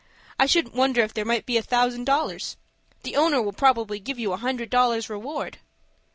I shouldn't wonder if there might be a thousand dollars. The owner will probably give you a hundred dollars reward."